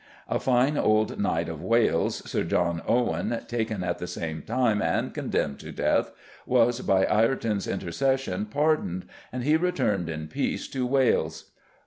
A fine old knight of Wales, Sir John Owen, taken at the same time, and condemned to death, was, by Ireton's intercession, pardoned, and he returned in peace to Wales.